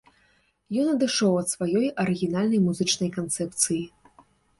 Ён адышоў ад сваёй арыгінальнай музычнай канцэпцыі.